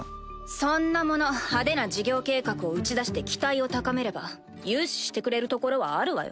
そんなもの派手な事業計画を打ち出して期待を高めれば融資してくれる所はあるわよ。